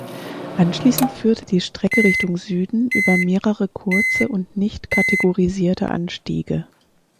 Anschließend führte die Strecke Richtung Süden über mehrere kurze und nicht kategorisierte Anstiege.